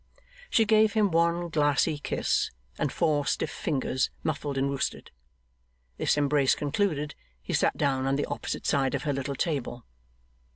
She gave him one glassy kiss, and four stiff fingers muffled in worsted. This embrace concluded, he sat down on the opposite side of her little table.